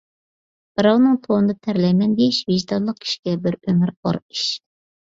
بىراۋنىڭ تونىدا تەرلەيمەن دېيىش، ۋىجدانلىق كىشىگە بىر ئۆمۈر ئار ئىش.